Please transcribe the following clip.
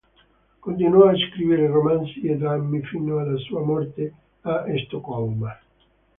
Continuò a scrivere romanzi e drammi fino alla sua morte, a Stoccolma.